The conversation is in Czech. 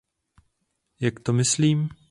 Jak to myslím?